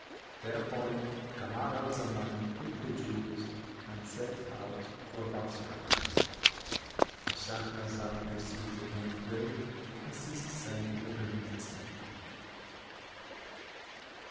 Thereupon Kamar al Zaman took the jewels and set out for Bassorah,—And Shahrazad perceived the dawn of day and ceased saying her permitted say.